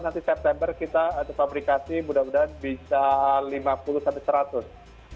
nanti september kita untuk pabrikasi mudah mudahan bisa lima puluh sampai seratus